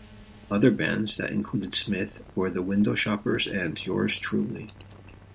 Other bands that included Smith were the Window Shoppers and Yours Truly.